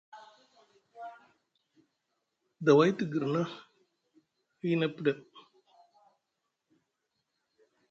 Daway te girna, hiina pɗem!